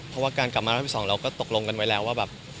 เพราะว่าการกลับมารอบที่๒เราก็ตกลงกันไว้แล้วว่าแบบ